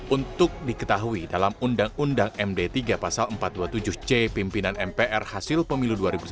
untuk diketahui dalam undang undang md tiga pasal empat ratus dua puluh tujuh c pimpinan mpr hasil pemilu dua ribu sembilan belas